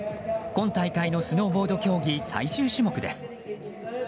今大会のスノーボード競技最終種目です。